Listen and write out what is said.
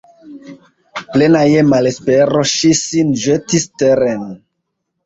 Plena je malespero, ŝi sin ĵetis teren.